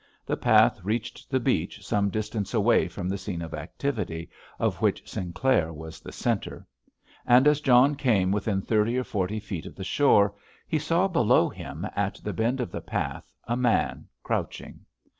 The path reached the beach some distance away from the scene of activity, of which Sinclair was the centre. And as John came within thirty or forty feet of the shore, he saw below him, at the bend of the path, a man crouching.